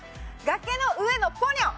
『崖の上のポニョ』。